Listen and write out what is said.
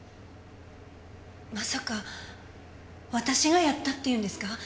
まさか私がやったっていうんですか？